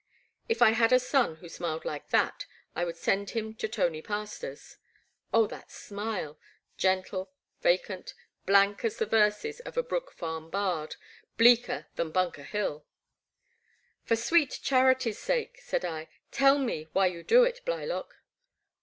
If I had a son who smiled like that I would send him to Tony Pastor's. Oh, that smile !— gentle, vacant, blank as the verses of a Brook Farm Bard, bleaker than Bunker Hill, For sweet charity's sake," said I, tell me why you do it, Blylock."